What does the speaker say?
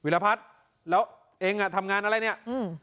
แล้วเองทำงานอะไรเนี่ย